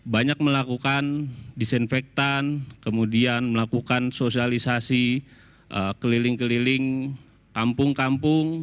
banyak melakukan disinfektan kemudian melakukan sosialisasi keliling keliling kampung kampung